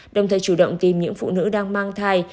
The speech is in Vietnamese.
đồng thời chủ động tìm những phụ nữ đang mang thai